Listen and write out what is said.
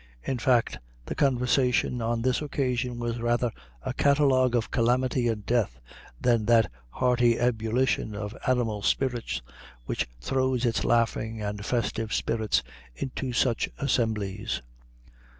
In fact, the conversation on this occasion was rather a catalogue of calamity and death, than that hearty ebullition of animal spirits which throws its laughing and festive spirits into such assemblies.